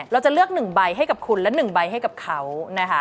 เราจะเลือก๑ใบให้กับคุณและ๑ใบให้กับเขานะคะ